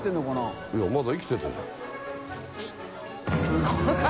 すごい